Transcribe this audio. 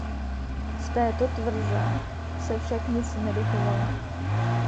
Z této tvrze se však nic nedochovalo.